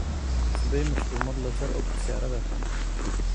سبەی مشتومڕ لەسەر ئەو پرسیارە دەکەن.